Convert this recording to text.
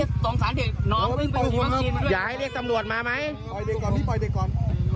เอาเด็กออกก่อนเอาเด็กออกก่อน